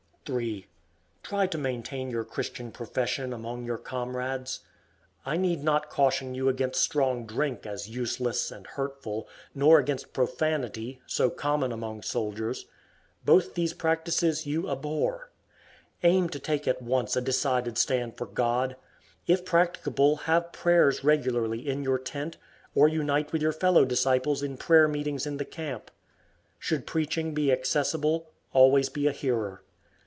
3. Try to maintain your Christian profession among your comrades. I need not caution you against strong drink as useless and hurtful, nor against profanity, so common among soldiers. Both these practices you abhor. Aim to take at once a decided stand for God. If practicable have prayers regularly in your tent, or unite with your fellow disciples in prayer meetings in the camp. Should preaching be accessible, always be a hearer.